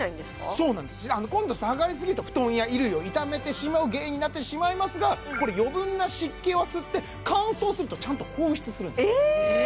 そうなんです今度下がりすぎると布団や衣類を傷めてしまう原因になってしまいますがこれ余分な湿気は吸って乾燥するとちゃんと放出するんですえ！？